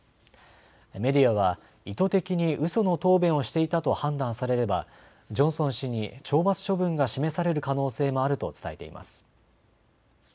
メディアは意図的にうその答弁をしていたと判断されればジョンソン氏に懲罰処分が示される可能性もあると伝えています。